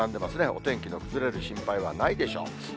お天気の崩れる心配はないでしょう。